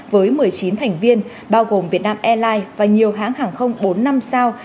với một mươi chín thành viên bao gồm việt nam airlines và nhiều hãng hàng không bốn năm sao